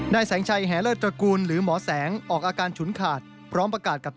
นายแสงชัยแหลลอร์ดตระกูลหรือหมอแสงออกอาการฉุนขาดพร้อมประกาศกับที่สุด